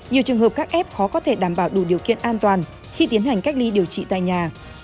nhiều trường hợp các f khó có thể đảm bảo đủ điều kiện an toàn khi tiến hành cách ly điều trị tại nhà